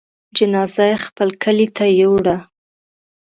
جنازه يې خپل کلي ته يووړه.